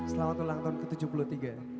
selamat ulang tahun ke tujuh puluh tiga